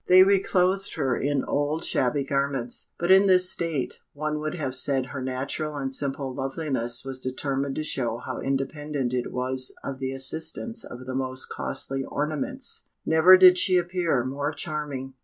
They re clothed her in old shabby garments. But in this state, one would have said her natural and simple loveliness was determined to show how independent it was of the assistance of the most costly ornaments; never did she appear more charming!